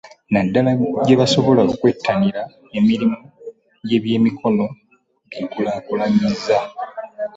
Naddala gye basobola okwettanira emirimu gy'ebyemikono beekulaakulanye.